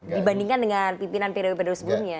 dibandingkan dengan pimpinan priode pimpinan sebelumnya